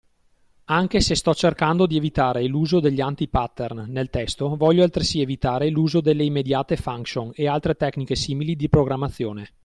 Anche se sto cercando di evitare l’uso degli anti-pattern nel testo, voglio altresì evitare l’uso delle immediate function e altre tecniche simili di programmazione.